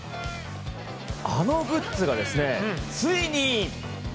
あのグッズが、ついに。